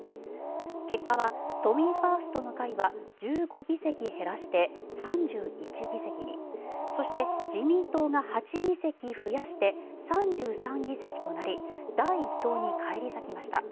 結果は都民ファーストの会は１５議席減らして３１議席にそして自民党が８議席増やして３３議席となり第１党に返り咲きました。